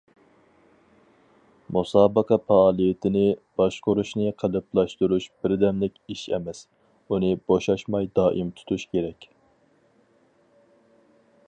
مۇسابىقە پائالىيىتىنى باشقۇرۇشنى قېلىپلاشتۇرۇش بىردەملىك ئىش ئەمەس، ئۇنى بوشاشماي دائىم تۇتۇش كېرەك.